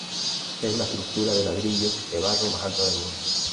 Es la estructura de ladrillos de barro más alta del mundo.